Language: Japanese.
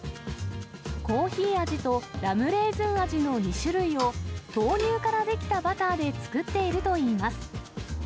コーヒー味とラムレーズン味の２種類を、豆乳から出来たバターで作っているといいます。